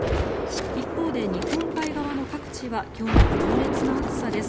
一方で、日本海側の各地は今日も猛烈な暑さです。